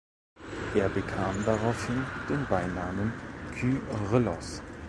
Er bekam daraufhin den Beinamen Kyrillos.